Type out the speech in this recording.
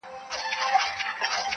اشنا مي کوچ وکړ کوچي سو-